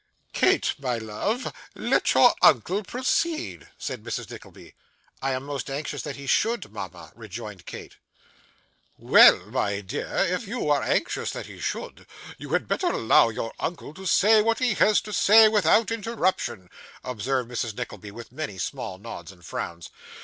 'Kate, my love, let your uncle proceed,' said Mrs. Nickleby. 'I am most anxious that he should, mama,' rejoined Kate. 'Well, my dear, if you are anxious that he should, you had better allow your uncle to say what he has to say, without interruption,' observed Mrs. Nickleby, with many small nods and frowns.